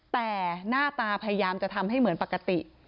แต่หน้าตาพยายามจะทำให้เหมือนปกติ